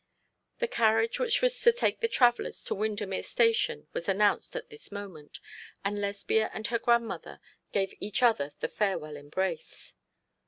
The carriage, which was to take the travellers to Windermere Station, was announced at this moment, and Lesbia and her grandmother gave each other the farewell embrace.